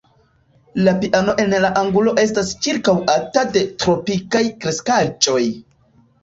La piano en la angulo estas ĉirkaŭata de tropikaj kreskaĵoj.